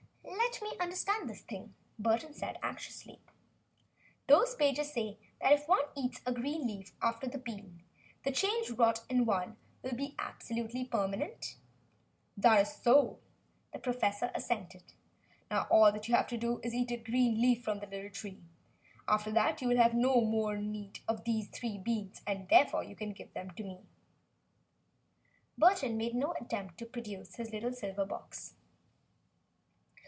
"Let me understand this thing," Burton said, anxiously. "Those pages say that if one eats a green leaf after the bean, the change wrought in one will become absolutely permanent?" "That is so," the professor assented. "Now all that you have to do, is to eat a green leaf from the little tree. After that, you will have no more need of those three beans, and you can therefore give them to me." Burton made no attempt to produce his little silver box.